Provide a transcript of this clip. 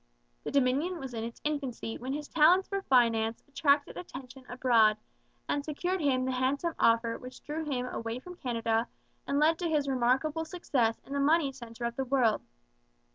The Dominion was in its infancy when his talents for finance attracted attention abroad and secured him the handsome offer which drew him away from Canada and led to his remarkable success in the money centre of the world.